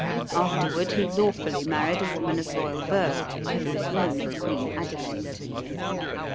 Afterward he lawfully married a woman of royal birth who was known as Queen Adelaide.